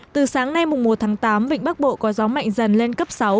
từ sáng nay một tháng tám vịnh bắc bộ có gió mạnh dần lên cấp sáu